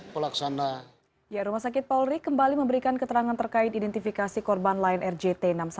kepala pusdokes polri arthur tampi kembali memberikan keterangan terkait identifikasi korban lain rjt enam ratus sepuluh